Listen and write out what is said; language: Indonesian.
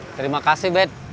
terima kasih bet